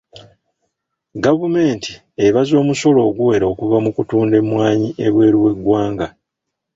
Gavumenti ebaza omusolo oguwera okuva mu kutunda emmwanyi ebweru w'eggwanga.